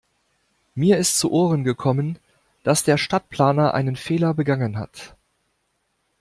Mir ist zu Ohren gekommen, dass der Stadtplaner einen Fehler begangen hat.